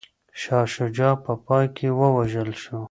شاه شجاع په پای کي ووژل شو.